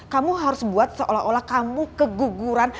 kamu harus buat seolah olah kamu keguguran